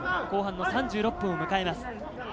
後半の３６分を迎えます。